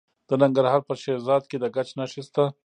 د ننګرهار په شیرزاد کې د ګچ نښې شته.